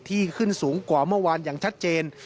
ที่ขึ้นสูงกว่าเมื่อวานอย่างชัดเจน